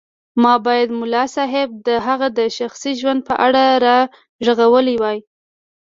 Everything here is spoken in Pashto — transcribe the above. ما بايد ملا صيب د هغه شخصي ژوند په اړه راغږولی وای.